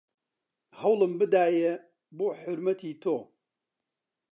هەوڵم بدایێ بۆ حورمەتی تۆ